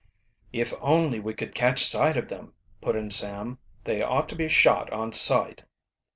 "If only we could catch sight of them," put in Sam. "They ought to be shot on sight!"